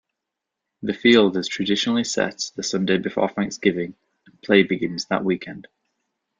The field is traditionally set the Sunday before Thanksgiving and play begins that weekend.